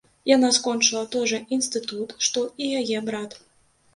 Яна скончыла той жа інстытут, што і яе брат.